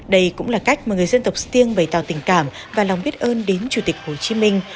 đây cũng là cách mà người dân tộc stiêng bày tạo tình cảm và lòng biết ơn đến chủ tịch hồ chí minh